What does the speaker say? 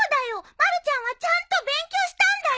まるちゃんはちゃんと勉強したんだよ。